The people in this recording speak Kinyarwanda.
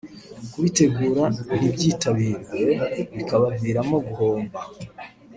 kubitegura ntibyitabirwe bikabaviramo guhomba